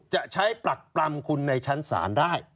จะใช้ปรักปรำคุณในชั้นศาลได้